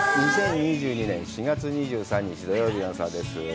２０２２年４月２３日、土曜日の朝です。